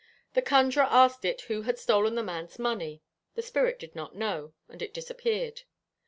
The conjuror asked it who had stolen the man's money; the spirit did not know, and it disappeared.